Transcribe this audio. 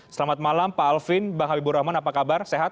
selamat malam pak alvin bang habibur rahman apa kabar sehat